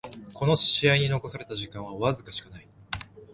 この試合に残された時間はわずかしかない